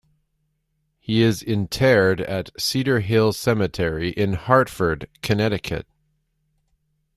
He is interred at Cedar Hill Cemetery in Hartford, Connecticut.